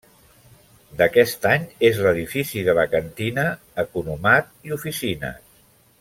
D'aquest any és l'edifici de la cantina, economat i oficines.